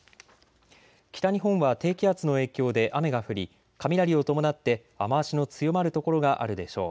北日本は低気圧の影響で雨が降り雷を伴って雨足の強まる所があるでしょう。